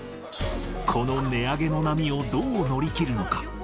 この値上げの波をどう乗り切るのか。